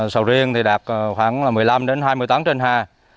sầu riêng thì đạt khoảng một mươi năm hai mươi tấn trên ha